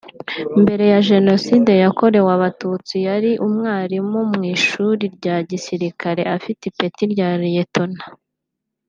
Mbere ya Jenoside yakorewe abatutsi yari umwarimu mu ishuri rya gisirikare afite ipeti rya Lieutenant